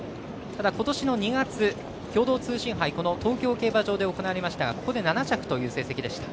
ただ、ことしの２月共同通信杯、この東京競馬場で行われましたがここで７着という成績でした。